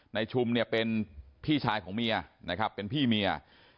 ชุมเนี่ยเป็นพี่ชายของเมียนะครับเป็นพี่เมีย